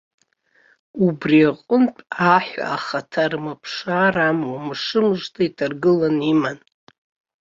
Убри аҟнытә аҳәа ахаҭа рымԥшаар амуа мышмыжда иҭаргыланы иман.